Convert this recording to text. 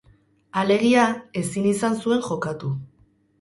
Alegia, ezin izan zuen jokatu.